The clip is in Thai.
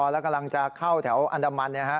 แล้วกำลังจะเข้าแถวอันดามัน